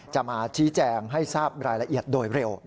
จะมาชี้แจงให้ทราบรายละเอียดโดยเร็ว